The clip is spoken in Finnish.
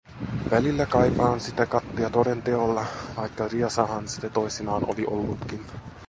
Välillä kaipaan sitä kattia toden teolla, vaikka riesaahan sitä toisinaan oli ollutkin.